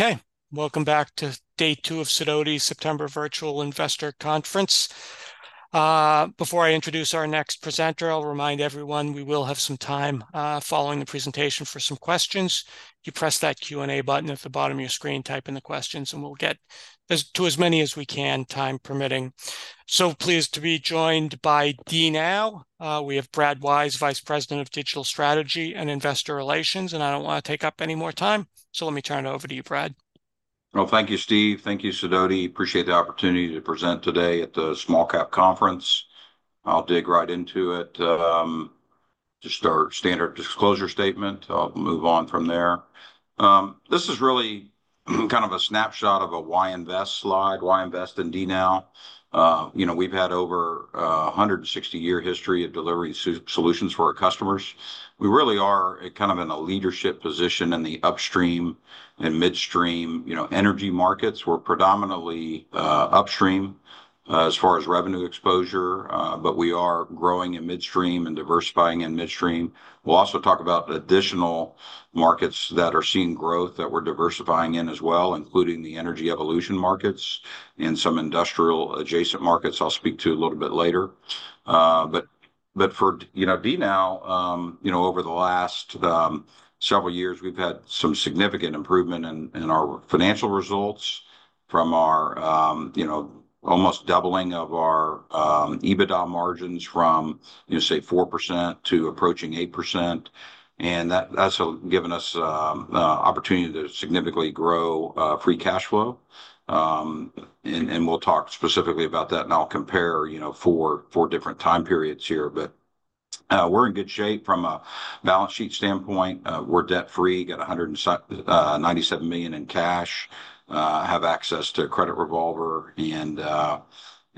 Okay, welcome back to day two of Sidoti September Virtual Investor Conference. Before I introduce our next presenter, I'll remind everyone we will have some time following the presentation for some questions. You press that Q&A button at the bottom of your screen, type in the questions, and we'll get to as many as we can, time permitting. Pleased to be joined by DNOW. We have Brad Wise, Vice President of Digital Strategy and Investor Relations, and I don't want to take up any more time. Let me turn it over to you, Brad. Thank you, Steve. Thank you, Sidoti. Appreciate the opportunity to present today at the Small Cap Conference. I'll dig right into it. Just our standard disclosure statement. I'll move on from there. This is really kind of a snapshot of a why invest slide. Why invest in DNOW? You know, we've had over a hundred and sixty year history of delivering solutions for our customers. We really are a kind of in a leadership position in the upstream and midstream, you know, energy markets. We're predominantly upstream as far as revenue exposure, but we are growing in midstream and diversifying in midstream. We'll also talk about additional markets that are seeing growth that we're diversifying in as well, including the Energy Evolution markets and some industrial adjacent markets. I'll speak to a little bit later. But for DNOW, you know, over the last several years, we've had some significant improvement in our financial results from our almost doubling of our EBITDA margins from, you know, say, 4% to approaching 8%. And that's given us opportunity to significantly grow free cash flow. And we'll talk specifically about that, and I'll compare, you know, four different time periods here. But we're in good shape from a balance sheet standpoint. We're debt free, got $197 million in cash, have access to a credit revolver, and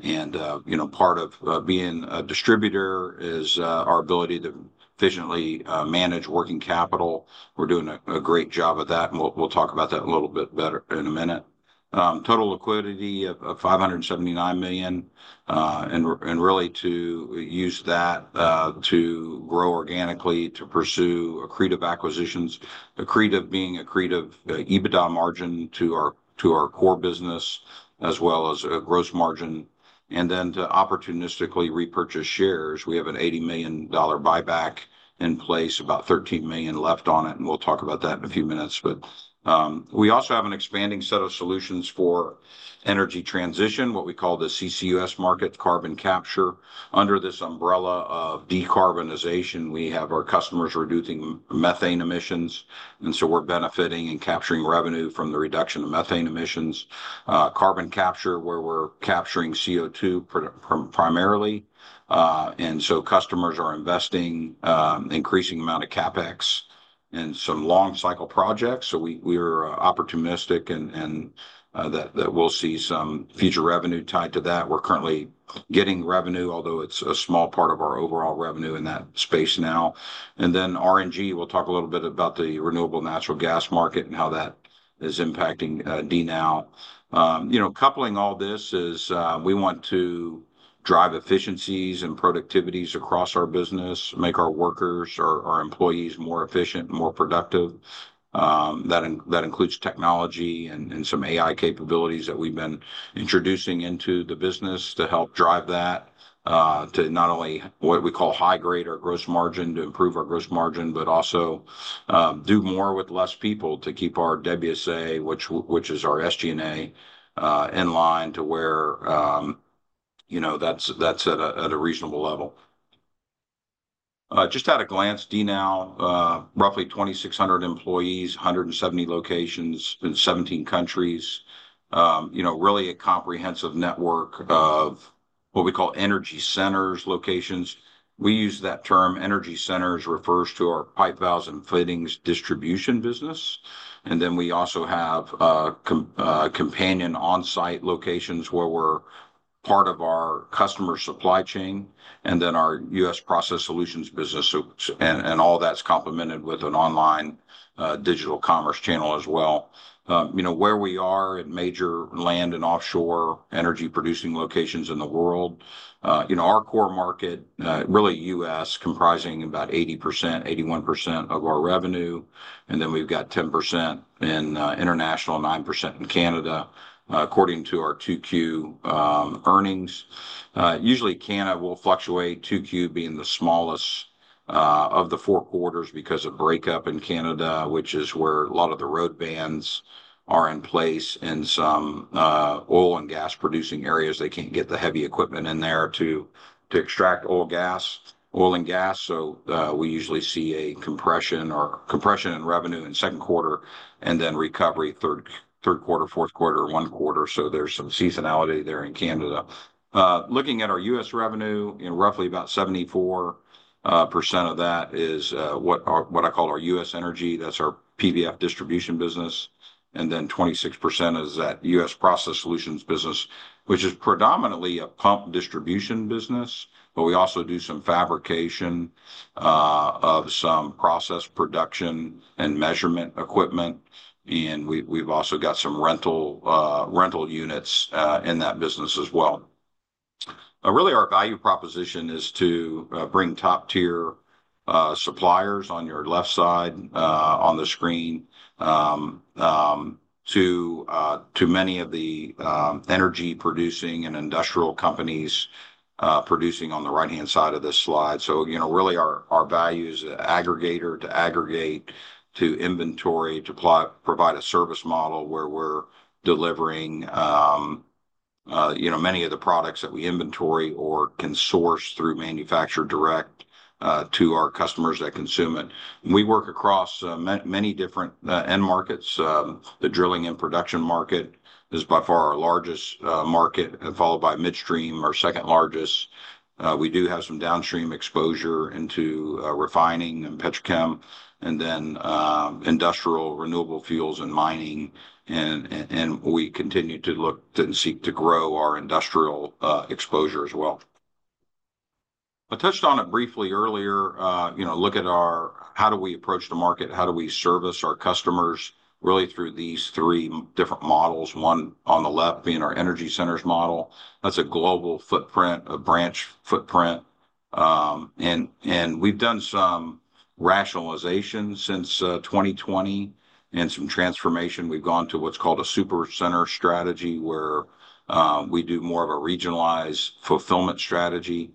you know, part of being a distributor is our ability to efficiently manage working capital. We're doing a great job of that, and we'll talk about that a little bit better in a minute. Total liquidity of $579 million, and really to use that to grow organically, to pursue accretive acquisitions. Accretive being accretive, EBITDA margin to our core business as well as a gross margin, and then to opportunistically repurchase shares. We have an $80 million buyback in place, about $13 million left on it, and we'll talk about that in a few minutes. We also have an expanding set of solutions for energy transition, what we call the CCUS market, carbon capture. Under this umbrella of decarbonization, we have our customers reducing methane emissions, and so we're benefiting and capturing revenue from the reduction of methane emissions. Carbon capture, where we're capturing CO2 primarily. Customers are investing increasing amount of CapEx in some long cycle projects. We're opportunistic and that we'll see some future revenue tied to that. We're currently getting revenue, although it's a small part of our overall revenue in that space now. RNG. We'll talk a little bit about the renewable natural gas market and how that is impacting DNOW. You know, coupling all this is we want to drive efficiencies and productivities across our business, make our workers or our employees more efficient and more productive. That includes technology and some AI capabilities that we've been introducing into the business to help drive that, to not only what we call high-grade our gross margin, to improve our gross margin, but also, do more with less people to keep our WSA, which is our SG&A, in line to where, you know, that's at a reasonable level. Just at a glance, DNOW, roughly 2,600 employees, 170 locations in 17 countries. You know, really a comprehensive network of what we call Energy Centers locations. We use that term Energy Centers. It refers to our pipe valves and fittings distribution business. And then we also have companion on-site locations where we're part of our customer supply chain, and then our U.S. Process Solutions business. All that's complemented with an online digital commerce channel as well. You know, where we are in major land and offshore energy-producing locations in the world. You know, our core market really US, comprising about 80%, 81% of our revenue, and then we've got 10% in international, 9% in Canada, according to our 2Q earnings. Usually, Canada will fluctuate, 2Q being the smallest of the four quarters because of break-up in Canada, which is where a lot of the road bans are in place in some oil and gas producing areas. They can't get the heavy equipment in there to extract oil and gas. We usually see a compression in revenue in second quarter and then recovery third quarter, fourth quarter, first quarter. There's some seasonality there in Canada. Looking at our U.S. revenue, in roughly about 74% of that is what I call our U.S. Energy. That's our PVF distribution business, and then 26% is that U.S. Process Solutions business, which is predominantly a pump distribution business, but we also do some fabrication of some process production and measurement equipment, and we've also got some rental units in that business as well. Really our value proposition is to bring top-tier suppliers on your left side on the screen to many of the energy producing and industrial companies producing on the right-hand side of this slide. So, you know, really our value is aggregator to aggregate, to inventory, provide a service model where we're delivering, you know, many of the products that we inventory or can source through manufacturer direct to our customers that consume it. We work across many different end markets. The drilling and production market is by far our largest market, followed by midstream, our second largest. We do have some downstream exposure into refining and petrochem and then industrial, renewable fuels and mining. And we continue to look to and seek to grow our industrial exposure as well. I touched on it briefly earlier, you know, look at our-- how do we approach the market? How do we service our customers? Really through these three different models. One on the left being our Energy Centers model. That's a global footprint, a branch footprint, and we've done some rationalization since 2020, and some transformation. We've gone to what's called a Supe Center strategy, where we do more of a regionalized fulfillment strategy,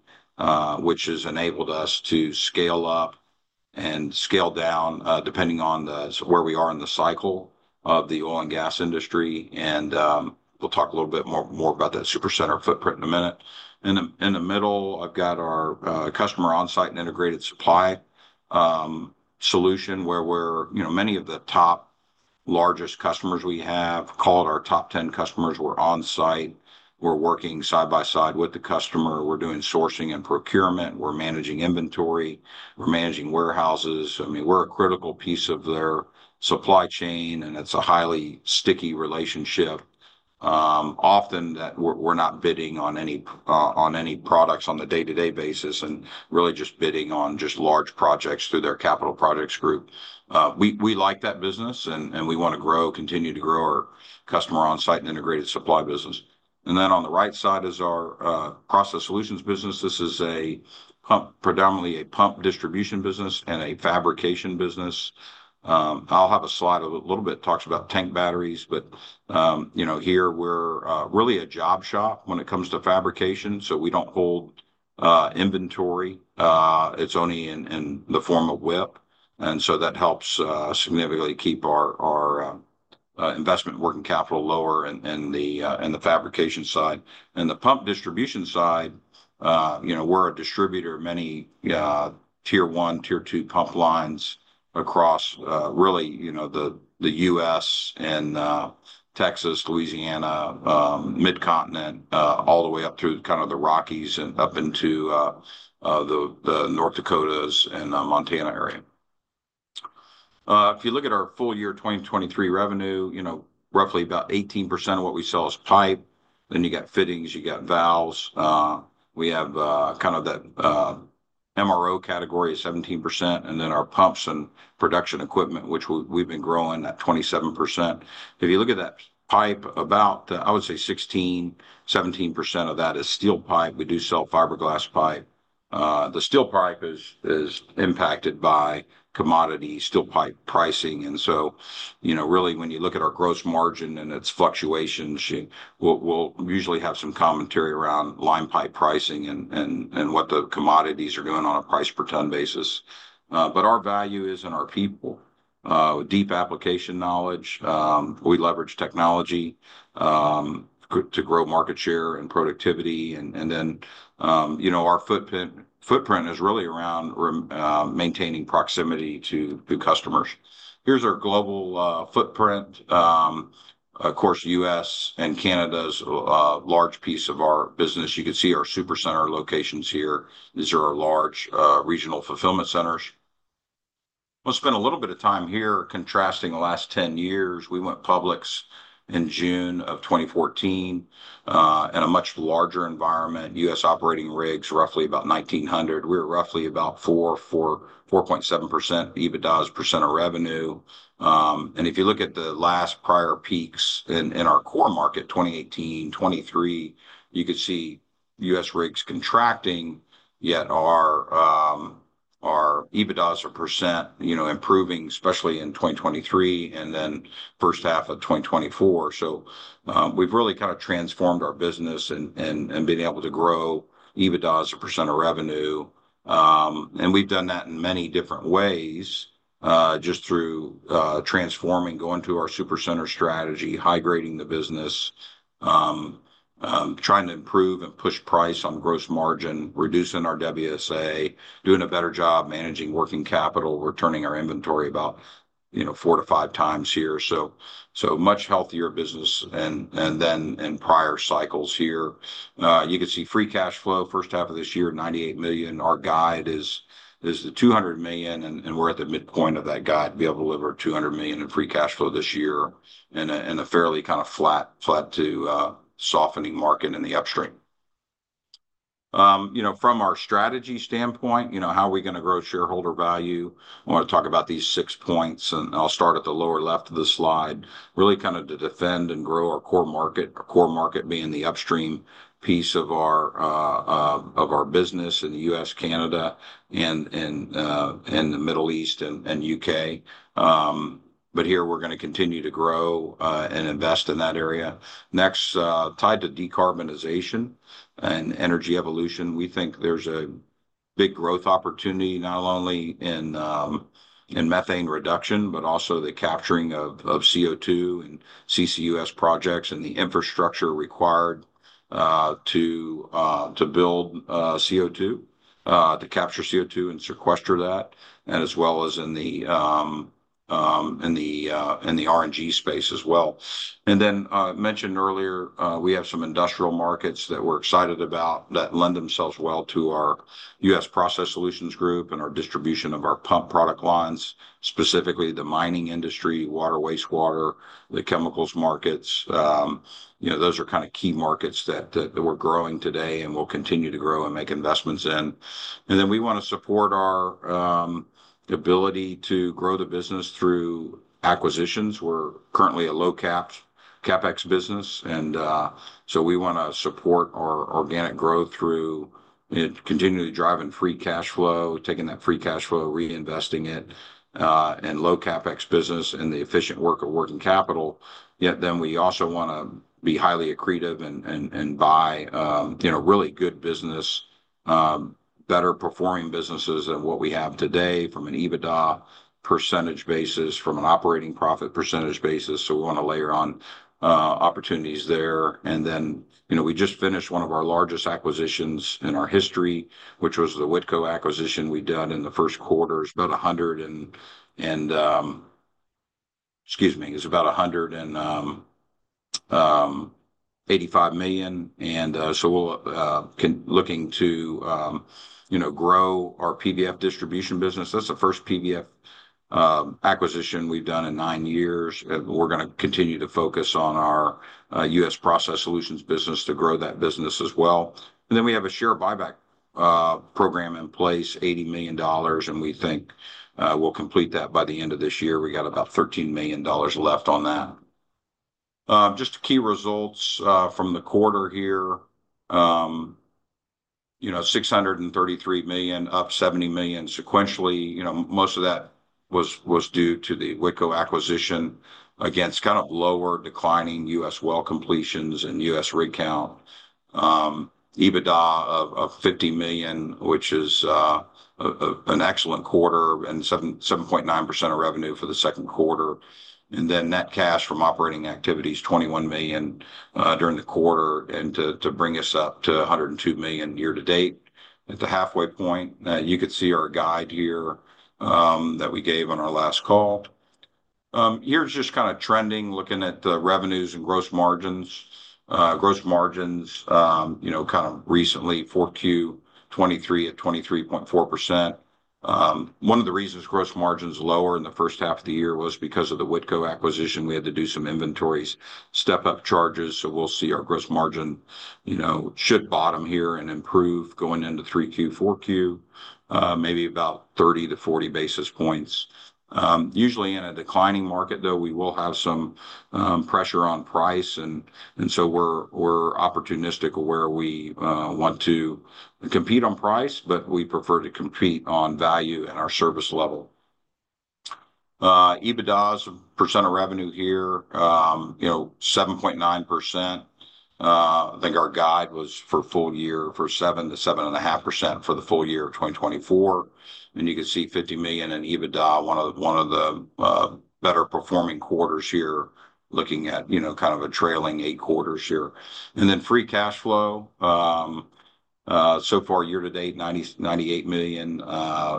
which has enabled us to scale up and scale down, depending on where we are in the cycle of the oil and gas industry, and we'll talk a little bit more about that Super Center footprint in a minute. In the middle, I've got our Customer On-Site and Integrated Supply solution, where we're, you know, many of the top largest customers we have, call it our top 10 customers, we're on-site. We're working side by side with the customer. We're doing sourcing and procurement. We're managing inventory. We're managing warehouses. I mean, we're a critical piece of their supply chain, and it's a highly sticky relationship. Often, we're not bidding on any products on a day-to-day basis, and really just bidding on large projects through their capital projects group. We like that business and we wanna grow, continue to grow our Customer On-Site and Integrated Supply business. And then on the right side is our Process Solutions business. This is predominantly a pump distribution business and a fabrication business. I'll have a slide a little bit, talks about tank batteries, but you know, here we're really a job shop when it comes to fabrication, so we don't hold inventory. It's only in the form of WIP, and so that helps significantly keep our investment working capital lower in the fabrication side. In the pump distribution side, you know, we're a distributor of many tier one, tier two pump lines across really, you know, the U.S. and Texas, Louisiana, Mid-Continent, all the way up through kind of the Rockies and up into the North Dakota and Montana area. If you look at our full year, 2023 revenue, you know, roughly about 18% of what we sell is pipe. Then you got fittings, you got valves. We have kind of the MRO category is 17%, and then our pumps and production equipment, which we've been growing at 27%. If you look at that pipe, about, I would say 16-17% of that is steel pipe. We do sell fiberglass pipe. The steel pipe is impacted by commodity steel pipe pricing, and so, you know, really, when you look at our gross margin and its fluctuations, we'll usually have some commentary around line pipe pricing and what the commodities are doing on a price per ton basis, but our value is in our people. Deep application knowledge. We leverage technology to grow market share and productivity, and then, you know, our footprint is really around maintaining proximity to customers. Here's our global footprint. Of course, U.S. and Canada is a large piece of our business. You can see our Super Center locations here. These are our large regional fulfillment centers. We'll spend a little bit of time here contrasting the last 10 years. We went public in June of 2014 in a much larger environment. U.S. operating rigs, roughly about 1,900. We're at roughly about 4.47% EBITDA as a % of revenue, and if you look at the last prior peaks in our core market, 2018, 2023, you could see U.S. rigs contracting, yet our EBITDA as a %, you know, improving, especially in 2023 and then first half of 2024, so we've really kind of transformed our business and been able to grow EBITDA as a % of revenue. And we've done that in many different ways, just through transforming, going to our Super Centers strategy, high-grading the business, trying to improve and push price on gross margin, reducing our WSA, doing a better job managing working capital, we're turning our inventory about, you know, four to five times here. So much healthier business and then in prior cycles here. You can see free cash flow, first half of this year, $98 million. Our guide is the $200 million, and we're at the midpoint of that guide, to be able to deliver $200 million in free cash flow this year in a fairly kind of flat to softening market in the upstream. You know, from our strategy standpoint, you know, how are we going to grow shareholder value? I want to talk about these six points, and I'll start at the lower left of the slide. Really kind of to defend and grow our core market, our core market being the upstream piece of our business in the U.S., Canada, and the Middle East and U.K., but here we're gonna continue to grow and invest in that area. Next, tied to decarbonization and Energy Evolution, we think there's a big growth opportunity, not only in methane reduction, but also the capturing of CO₂ and CCUS projects and the infrastructure required to build CO₂ to capture CO₂ and sequester that, and as well as in the RNG space as well. And then, mentioned earlier, we have some industrial markets that we're excited about that lend themselves well to our U.S. Process Solutions group and our distribution of our pump product lines, specifically the mining industry, water, wastewater, the chemicals markets. You know, those are kind of key markets that we're growing today and will continue to grow and make investments in. And then we want to support our ability to grow the business through acquisitions. We're currently a low CapEx business, and so we want to support our organic growth through, you know, continually driving free cash flow, taking that free cash flow, reinvesting it in low CapEx business and the efficient work of working capital. Yet then we also want to be highly accretive and buy, you know, really good business, better performing businesses than what we have today from an EBITDA percentage basis, from an operating profit percentage basis. So we want to layer on opportunities there. And then, you know, we just finished one of our largest acquisitions in our history, which was the Whitco acquisition we done in the first quarter. It's about $185 million, and so we'll continue looking to, you know, grow our PVF distribution business. That's the first PVF acquisition we've done in nine years. We're gonna continue to focus on our U.S. Process Solutions business to grow that business as well. And then we have a share buyback program in place, $80 million, and we think we'll complete that by the end of this year. We got about $13 million left on that. Just the key results from the quarter here. You know, $633 million, up $70 million sequentially. You know, most of that was due to the Whitco acquisition against kind of lower declining U.S. well completions and U.S. rig count. EBITDA of $50 million, which is an excellent quarter and 7.9% of revenue for the second quarter. And then net cash from operating activities, $21 million during the quarter and to bring us up to $102 million year to date. At the halfway point, you could see our guide here, that we gave on our last call. Here's just kind of trending, looking at the revenues and gross margins. Gross margins, you know, kind of recently for Q 2023 at 23.4%. One of the reasons gross margin's lower in the first half of the year was because of the Whitco acquisition. We had to do some inventories, step up charges, so we'll see our gross margin, you know, should bottom here and improve going into 3Q, 4Q, maybe about thirty to forty basis points. Usually in a declining market, though, we will have some pressure on price and so we're opportunistic where we want to compete on price, but we prefer to compete on value and our service level. EBITDA's percent of revenue here, you know, 7.9%. I think our guide was for full year for 7-7.5% for the full year of 2024, and you can see $50 million in EBITDA, one of, one of the better performing quarters here, looking at, you know, kind of a trailing 8 quarters here. And then free cash flow, so far year to date, $98 million.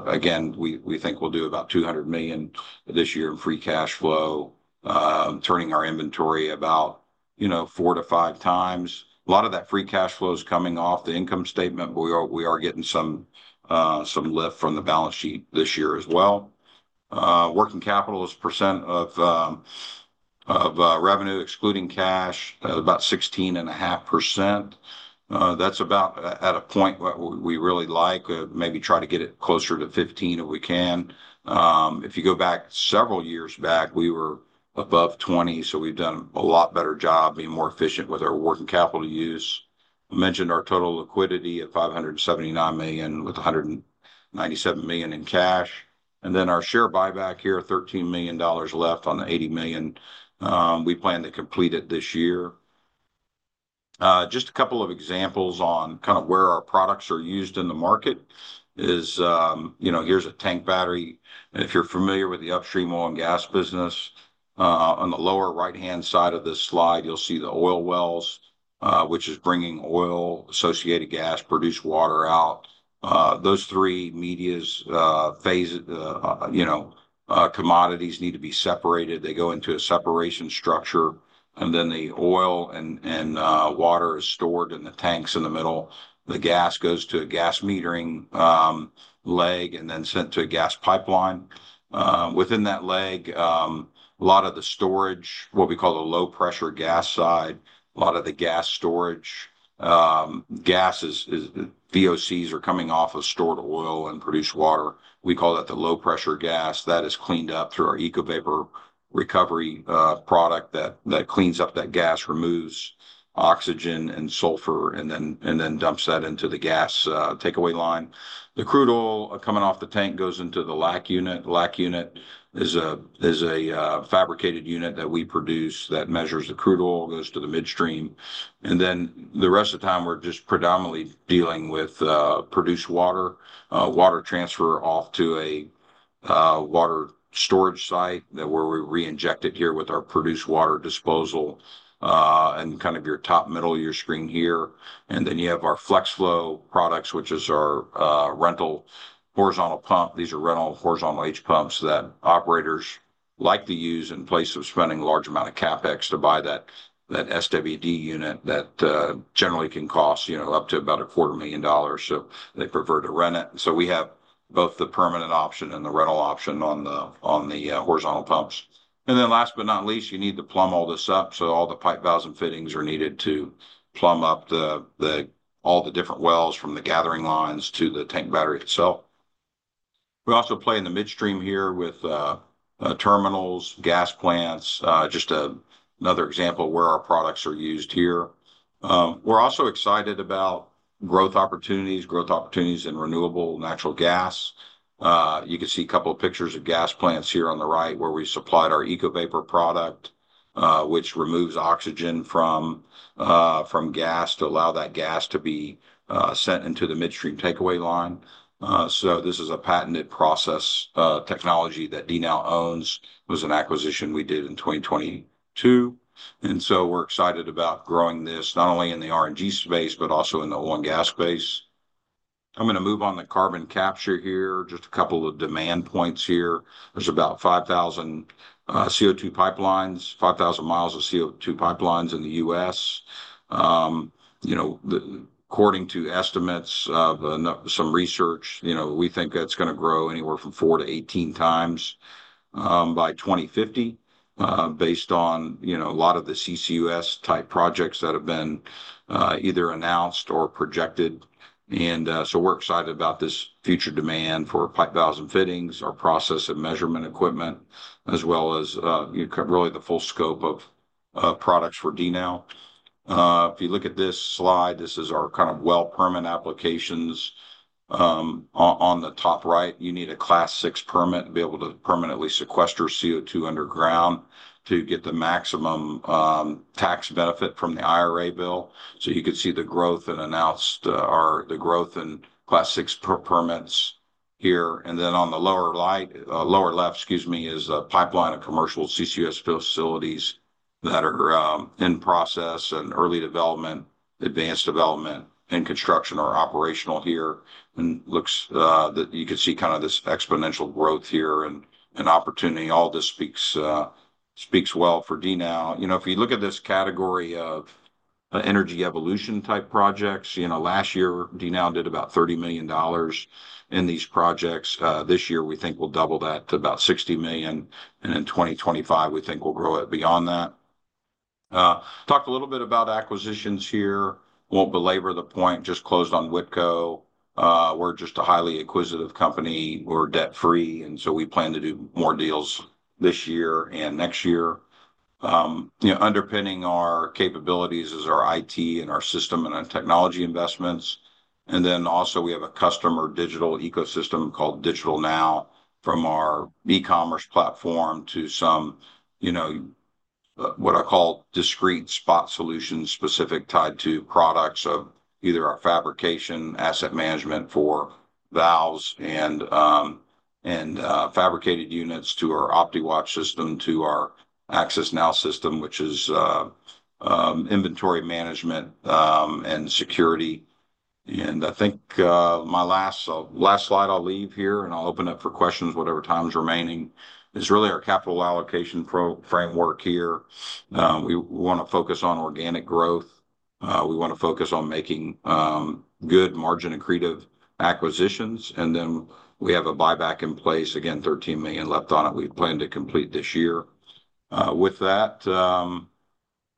Again, we, we think we'll do about $200 million this year in free cash flow, turning our inventory about, you know, 4-5 times. A lot of that free cash flow is coming off the income statement, but we are, we are getting some, some lift from the balance sheet this year as well. Working capital is percent of revenue, excluding cash, about 16.5%. That's about at a point where we really like, maybe try to get it closer to 15% if we can. If you go back several years back, we were above 20%, so we've done a lot better job being more efficient with our working capital use. I mentioned our total liquidity at $579 million, with $197 million in cash. And then our share buyback here, $13 million left on the $80 million. We plan to complete it this year. Just a couple of examples on kind of where our products are used in the market is, you know, here's a tank battery. If you're familiar with the Upstream oil and gas business, on the lower right-hand side of this slide, you'll see the oil wells, which is bringing oil, associated gas, produced water out. Those three media, phase, you know, commodities need to be separated. They go into a separation structure, and then the oil and, and, water is stored in the tanks in the middle. The gas goes to a gas metering leg and then sent to a gas pipeline. Within that leg, a lot of the storage, what we call the low pressure gas side, a lot of the gas storage, gas is, is VOCs are coming off of stored oil and produced water. We call that the low pressure gas. That is cleaned up through our EcoVapor recovery product that cleans up that gas, removes oxygen and sulfur, and then dumps that into the gas takeaway line. The crude oil coming off the tank goes into the LACT unit. LACT unit is a fabricated unit that we produce that measures the crude oil, goes to the midstream. And then the rest of the time, we're just predominantly dealing with produced water, water transfer off to a water storage site that where we reinject it here with our produced water disposal. And kind of your top middle of your screen here, and then you have our Flex Flow products, which is our rental horizontal pump. These are rental horizontal H-pumps that operators like to use in place of spending a large amount of CapEx to buy that SWD unit that generally can cost, you know, up to about $250,000, so they prefer to rent it. So we have both the permanent option and the rental option on the horizontal pumps. And then last but not least, you need to plumb all this up, so all the pipe valves and fittings are needed to plumb up all the different wells from the gathering lines to the tank battery itself. We also play in the midstream here with terminals, gas plants. Just another example of where our products are used here. We're also excited about growth opportunities, growth opportunities in renewable natural gas. You can see a couple of pictures of gas plants here on the right, where we supplied our EcoVapor product, which removes oxygen from gas to allow that gas to be sent into the midstream takeaway line, so this is a patented process technology that DNOW owns. It was an acquisition we did in 2022, and so we're excited about growing this, not only in the RNG space, but also in the oil and gas space. I'm gonna move on to carbon capture here. Just a couple of demand points here. There's about 5,000 CO2 pipelines, 5,000 miles of CO2 pipelines in the U.S. You know, according to estimates of some research, you know, we think that's gonna grow anywhere from four to 18 times by 2050, based on, you know, a lot of the CCUS type projects that have been either announced or projected. And so we're excited about this future demand for pipe valves and fittings, our process and measurement equipment, as well as, you know, really the full scope of products for DNOW. If you look at this slide, this is our kind of well permit applications. On the top right, you need a Class VI permit to be able to permanently sequester CO2 underground to get the maximum tax benefit from the IRA bill. So you can see the growth in announced, or the growth in Class VI permits here. And then on the lower left, excuse me, is a pipeline of commercial CCUS facilities that are in process and early development, advanced development, and construction are operational here. And it looks that you can see kind of this exponential growth here and opportunity. All this speaks well for DNOW. You know, if you look at this category of Energy Evolution type projects, you know, last year, DNOW did about $30 million in these projects. This year, we think we'll double that to about $60 million, and in 2025, we think we'll grow it beyond that. Talk a little bit about acquisitions here. Won't belabor the point, just closed on Whitco. We're just a highly acquisitive company. We're debt-free, and so we plan to do more deals this year and next year. You know, underpinning our capabilities is our IT and our system and our technology investments. And then also, we have a customer digital ecosystem called DigitalNOW from our e-commerce platform to some, you know, what I call discrete spot solutions, specific tied to products of either our fabrication, asset management for valves and fabricated units to our OptiWatch system, to our AccessNOW system, which is, inventory management, and security. And I think, my last, last slide I'll leave here, and I'll open up for questions, whatever time is remaining, is really our capital allocation pro- framework here. We wanna focus on organic growth. We wanna focus on making, good margin accretive acquisitions, and then we have a buyback in place. Again, 13 million left on it. We plan to complete this year. With that,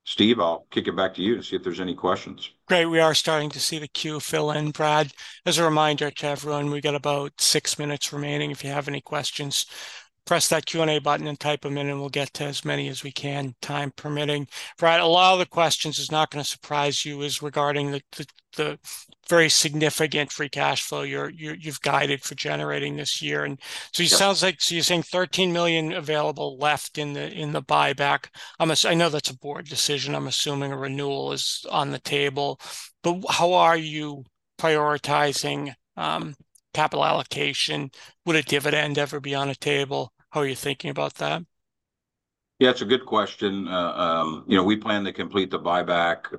Steve, I'll kick it back to you to see if there's any questions. Great. We are starting to see the queue fill in, Brad. As a reminder to everyone, we got about six minutes remaining. If you have any questions, press that Q&A button and type them in, and we'll get to as many as we can, time permitting. Brad, a lot of the questions, it's not gonna surprise you, is regarding the very significant free cash flow you've guided for generating this year. Yeah. It sounds like you're saying $13 million available left in the buyback. I know that's a Board decision. I'm assuming a renewal is on the table, but how are you prioritizing capital allocation? Would a dividend ever be on the table? How are you thinking about that? Yeah, it's a good question. You know, we plan to complete the buyback,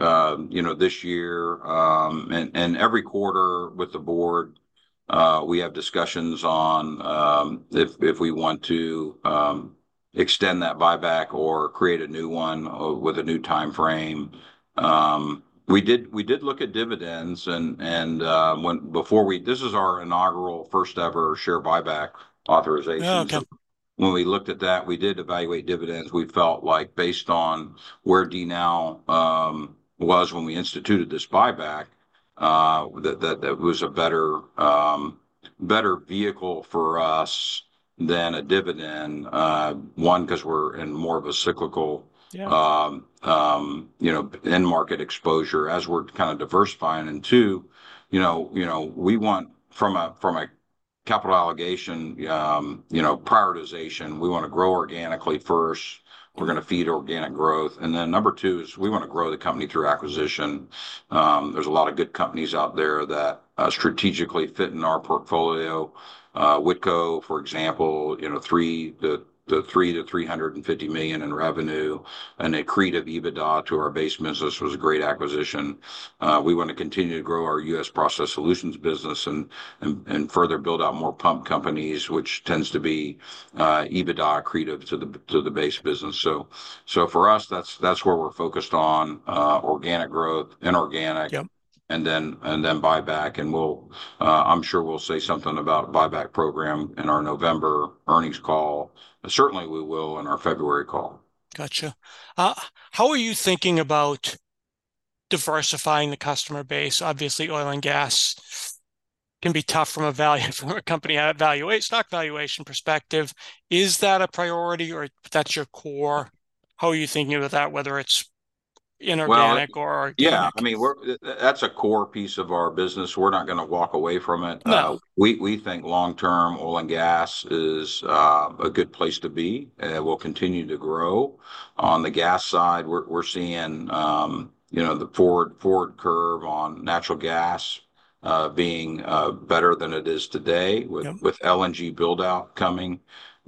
you know, this year. And every quarter with the Board, we have discussions on if we want to extend that buyback or create a new one or with a new timeframe. We did look at dividends. This is our inaugural first-ever share buyback authorization. When we looked at that, we did evaluate dividends. We felt like based on where DNOW was when we instituted this buyback, that that was a better better vehicle for us than a dividend. One, 'cause we're in more of a cyclical- Yeah... you know, end market exposure as we're kind of diversifying. And two, you know, we want from a capital allocation prioritization, we want to grow organically first. We're gonna feed organic growth. And then number two is we want to grow the company through acquisition. There's a lot of good companies out there that strategically fit in our portfolio. Whitco, for example, you know, $300-$350 million in revenue, and accretive EBITDA to our base business was a great acquisition. We want to continue to grow our U.S. Process Solutions business and further build out more pump companies, which tends to be EBITDA accretive to the base business. So for us, that's where we're focused on organic growth, inorganic- Yep ... and then buyback. And we'll, I'm sure we'll say something about buyback program in our November earnings call. Certainly, we will in our February call. Gotcha. How are you thinking about diversifying the customer base? Obviously, oil and gas can be tough from a value, from a company value-- stock valuation perspective. Is that a priority or that's your core? How are you thinking about that, whether it's inorganic or- Well, yeah. Organic. I mean, that's a core piece of our business. We're not gonna walk away from it. No. We think long-term, oil and gas is a good place to be, and it will continue to grow. On the gas side, we're seeing, you know, the forward curve on natural gas being better than it is today- Yep... with, with LNG build-out coming,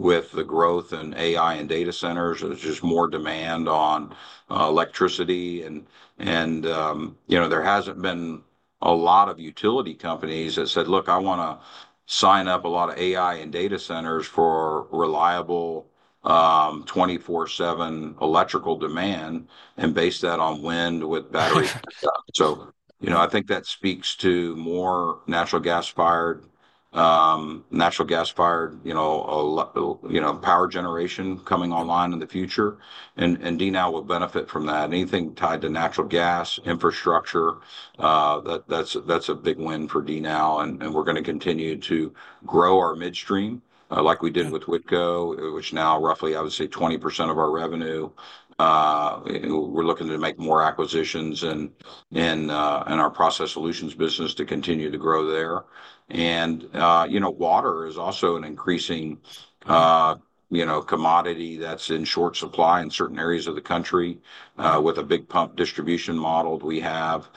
with the growth in AI and data centers, there's just more demand on, electricity. And, and, you know, there hasn't been a lot of utility companies that said: "Look, I wanna sign up a lot of AI and data centers for reliable, 24/7 electrical demand," and base that on wind with battery. So, you know, I think that speaks to more natural gas-fired, natural gas-fired, you know, power generation coming online in the future, and, and DNOW will benefit from that. Anything tied to natural gas, infrastructure, that, that's, that's a big win for DNOW, and, and we're gonna continue to grow our midstream, like we did- Yeah... with Whitco, which now roughly, I would say, 20% of our revenue. We're looking to make more acquisitions in our Process Solutions business to continue to grow there. You know, water is also an increasing commodity that's in short supply in certain areas of the country. With a big pump distribution model we have,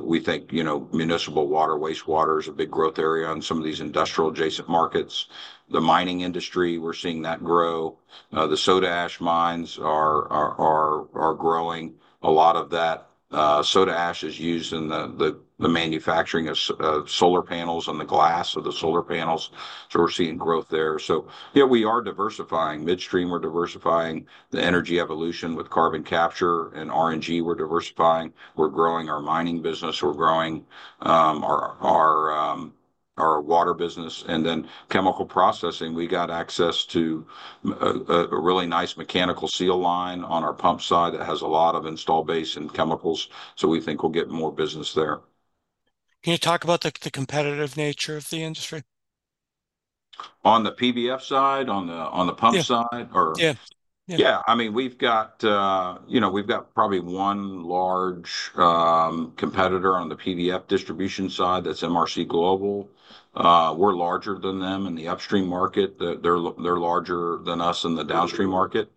we think, you know, municipal water, wastewater is a big growth area on some of these industrial adjacent markets. The mining industry, we're seeing that grow. The soda ash mines are growing. A lot of that, soda ash is used in the manufacturing of solar panels and the glass of the solar panels, so we're seeing growth there. So yeah, we are diversifying. Midstream, we're diversifying the Energy Evolution with carbon capture and RNG, we're diversifying. We're growing our mining business, we're growing our water business. And then chemical processing, we got access to a really nice mechanical seal line on our pump side that has a lot of installed base in chemicals, so we think we'll get more business there. Can you talk about the competitive nature of the industry? On the PVF side, on the pump side? Yeah. Or- Yeah. Yeah. Yeah. I mean, we've got, you know, we've got probably one large competitor on the PVF distribution side, that's MRC Global. We're larger than them in the upstream market. They're larger than us in the downstream market. Okay.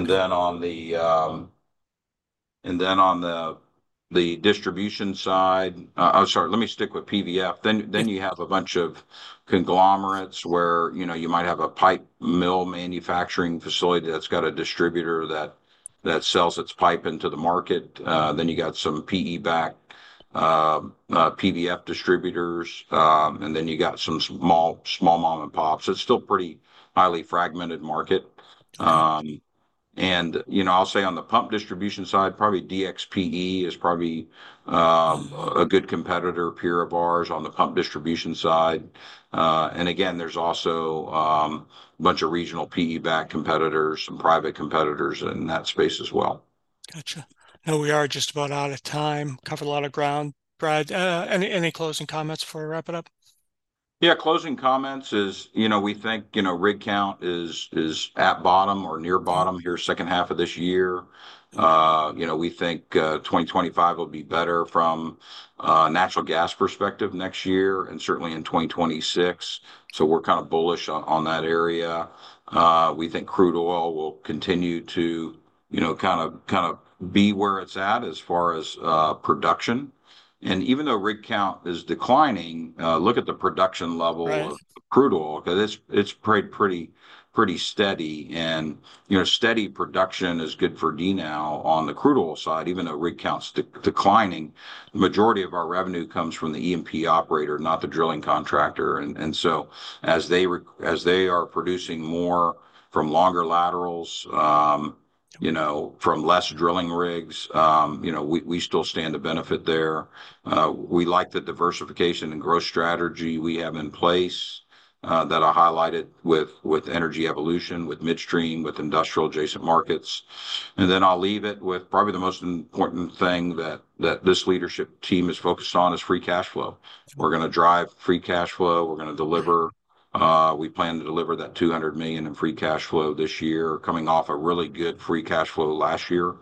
And then on the distribution side. I'm sorry, let me stick with PVF. Yeah. Then you have a bunch of conglomerates where, you know, you might have a pipe mill manufacturing facility that's got a distributor that sells its pipe into the market. Then you got some PE-backed PVF distributors, and then you got some small mom and pops. It's still pretty highly fragmented market. And, you know, I'll say on the pump distribution side, probably DXPE is a good competitor, peer of ours on the pump distribution side. And again, there's also a bunch of regional PE-backed competitors and private competitors in that space as well. Gotcha. Now, we are just about out of time. Covered a lot of ground, Brad. Any closing comments before I wrap it up? Yeah, closing comments is, you know, we think, you know, rig count is at bottom or near bottom here, second half of this year. You know, we think, twenty twenty-five will be better from a natural gas perspective next year, and certainly in twenty twenty-six. So we're kind of bullish on that area. We think crude oil will continue to, you know, kind of be where it's at as far as production. And even though rig count is declining, look at the production level- Right... of crude oil, 'cause it's pretty steady. And, you know, steady production is good for DNOW on the crude oil side, even though rig count's declining. Majority of our revenue comes from the E&P operator, not the drilling contractor. And so as they are producing more from longer laterals, you know, from less drilling rigs, you know, we still stand to benefit there. We like the diversification and growth strategy we have in place, that I highlighted with Energy Evolution, with midstream, with industrial adjacent markets. And then I'll leave it with probably the most important thing that this leadership team is focused on is free cash flow. We're gonna drive free cash flow. We're gonna deliver... We plan to deliver that $200 million in free cash flow this year, coming off a really good free cash flow last year.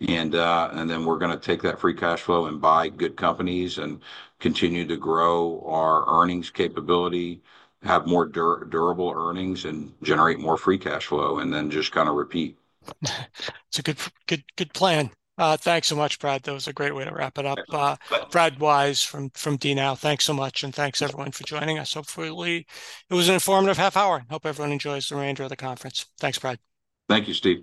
Mm. And then we're gonna take that free cash flow and buy good companies and continue to grow our earnings capability, have more durable earnings, and generate more free cash flow, and then just kind of repeat. It's a good, good, good plan. Thanks so much, Brad. That was a great way to wrap it up. Yeah. Brad Wise from DNOW. Thanks so much, and thanks everyone for joining us. Hopefully, it was an informative half hour. Hope everyone enjoys the remainder of the conference. Thanks, Brad. Thank you, Steve.